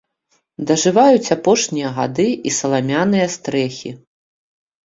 Дажываюць апошнія гады і саламяныя стрэхі.